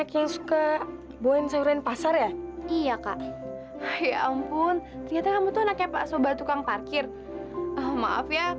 kok gak dikenalan ke kita sih